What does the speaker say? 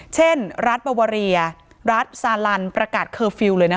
เช่นรัฐบาวาเรียรัฐซาลันประกาศเคอร์ฟิลล์เลยนะคะ